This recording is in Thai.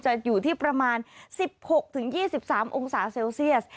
จะอยู่ที่ประมาณ๑๖๒๓องศาเซลเซียส